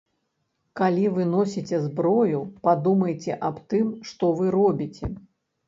Калі вы носіце зброю, падумайце аб тым, што вы робіце.